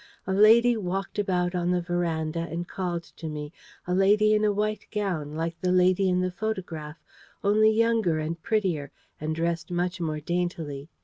A lady walked about on the verandah and called to me: a lady in a white gown, like the lady in the photograph, only younger and prettier, and dressed much more daintily.